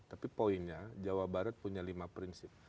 tapi poinnya jawa barat punya lima prinsip